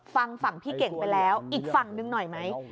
ฟังฝั่งพี่เก่งไปแล้วอีกฝั่งหนึ่งหน่อยไหม